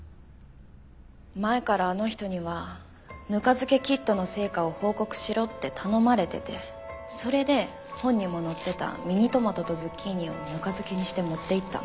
前からあの人にはぬか漬けキットの成果を報告しろって頼まれててそれで本にも載ってたミニトマトとズッキーニをぬか漬けにして持っていったの。